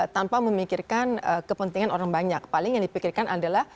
tanpa memikirkan kepentingan orang banyak paling yang dipikirkan adalah